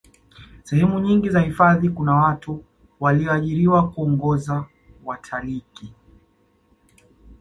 sehemu nyingi za hifadhi kuna watu waliyoajiriwa kuongoza watalkii